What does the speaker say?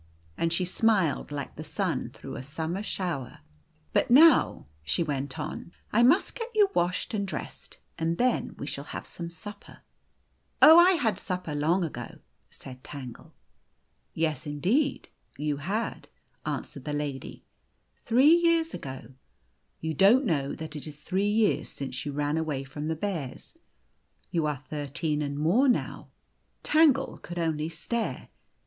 And she smiled like the sun through a summer shower, " But now," she went on, " I must get you washed and dressed, and then we shall have some supper." " Oh ! I had supper long ago," said Tangle. " Yes, indeed you had," answered the lady " three years ago. You don't know that it is three years since you ran away from the bears. You are thirteen and more now. r Tangle could only stare.